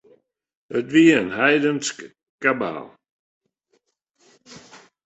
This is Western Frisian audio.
It wie in heidensk kabaal.